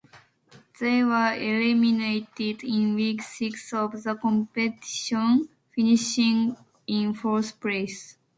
They were eliminated in week six of the competition, finishing in fourth place.